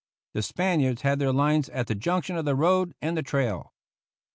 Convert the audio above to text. The Spaniards had their lines at the junction of the road and the trail.